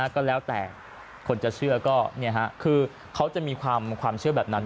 ก็แล้วแต่คนจะเชื่อก็คือเขาจะมีความเชื่อแบบนั้น